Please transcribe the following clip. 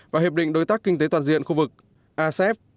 và hiệp định đối tác kinh tế toàn diện khu vực asep